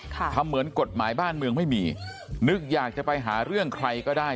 ทำเหมือนกฎหมายบ้านเมืองไม่มีนึกอยากจะไปหาเรื่องใครก็ได้